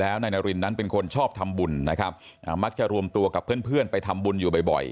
แล้วนายนารินนั้นเป็นคนชอบทำบุญนะครับมักจะรวมตัวกับเพื่อนไปทำบุญอยู่บ่อย